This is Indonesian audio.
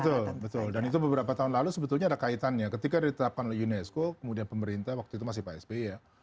betul betul dan itu beberapa tahun lalu sebetulnya ada kaitannya ketika ditetapkan oleh unesco kemudian pemerintah waktu itu masih pak sby ya